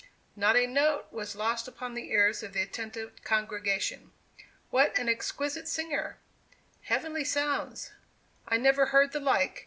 Not a note was lost upon the ears of the attentive congregation. "What an exquisite singer!" "Heavenly sounds!" "I never heard the like!"